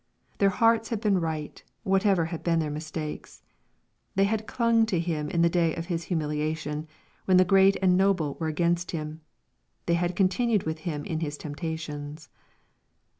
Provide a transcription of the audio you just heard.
Their hearts had been right, whatever had been their mistakes. They had clung to Him in the day of His humiliation, when tlie great and noble were against Him. They had '' con tinued with Him in His temptations."